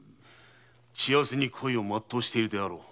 幸せに恋を全うしているであろう。